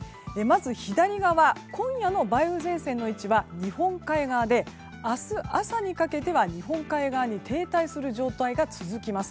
左側、今夜の梅雨前線の位置は日本海側で明日朝にかけては日本海側に停滞する状態が続きます。